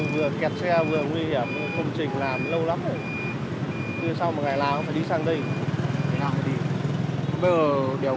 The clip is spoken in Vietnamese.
vừa kẹt xe vừa nguy hiểm